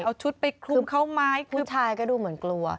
เอาชุดไปคลุมเขาไหมผู้ชายก็ดูเหมือนกลัว